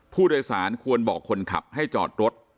ผู้โดยสารควรบอกคนขับให้จอดรถ